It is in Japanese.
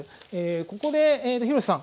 ここで廣瀬さん。